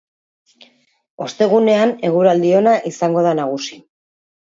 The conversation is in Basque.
Ostegunean, eguraldi ona izango da nagusi.